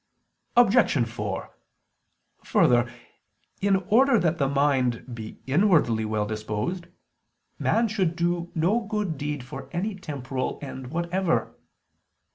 Obj. 4: Further, in order that the mind be inwardly well disposed, man should do no good deed for any temporal end whatever.